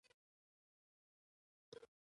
رئیس جمهور خپلو عسکرو ته امر وکړ؛ خپلې وسلې غوړې کړئ!